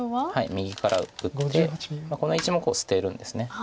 右から打ってこの１目を捨てるんです。